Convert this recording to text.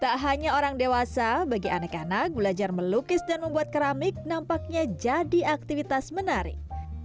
tak hanya orang dewasa bagi anak anak belajar melukis dan membuat keramik nampaknya jadi aktivitas menarik